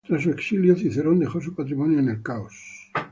Tras su exilio, Cicerón dejó su patrimonio en el caos.